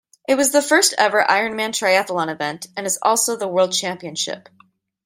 It was the first ever Ironman triathlon event and is also the world championship.